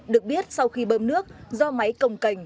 được biết sau khi bơm nước do máy cồng cành